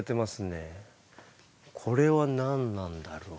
これは何なんだろう？